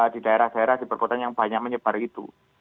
di daerah daerah di perkotaan yang banyak menyebar itu